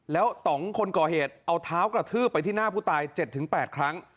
แล้วต่องคนก่อเหตุเอาเท้ากระทืบไปที่หน้าผู้ตาย๗๘ครั้ง